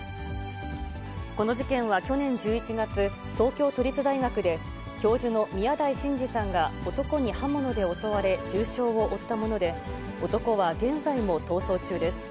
この事件は去年１１月、東京都立大学で、教授の宮台真司さんが男に刃物で襲われ、重傷を負ったもので、男は現在も逃走中です。